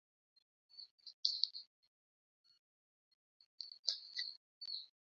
Zah go kallahvd̃ǝǝ ɓo sooke.